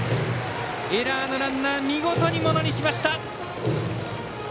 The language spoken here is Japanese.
エラーのランナー見事にものにしました。